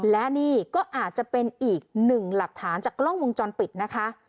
และนี่ก็อาจจะเป็นอีกหนึ่งหลักฐานจากกล้องวงจรปิดนะคะ